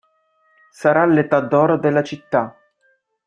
Sarà l'età d'oro della città.